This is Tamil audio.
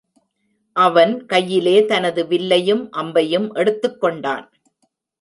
அவன் கையிலே தனது வில்லையும் அம்பையும் எடுத்துக்கொண்டான்.